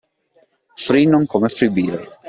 Free non come “free beer”).